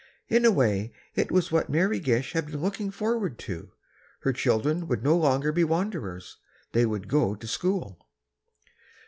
In a way, it was what Mary Gish had been looking forward to: her children would no longer be wanderers; they would go to school.